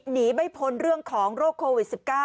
หนีไม่พ้นเรื่องของโรคโควิด๑๙